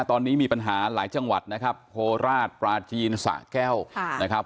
ตอนนี้มีปัญหาหลายจังหวัดนะครับโคราชปลาจีนสะแก้วนะครับ